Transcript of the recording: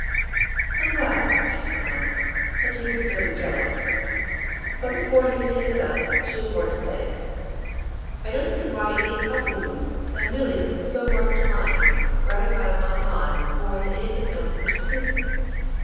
"I'm glad," she smiled, "that you can still be jealous." But before he could take it up she had more to say. "I don't see why it need puzzle you that Milly's so marked line gratifies Aunt Maud more than anything else can displease her.